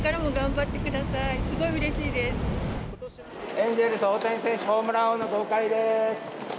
エンゼルス、大谷選手ホームラン王の号外です！